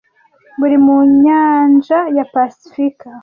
(buri mu nyanja ya pasifika)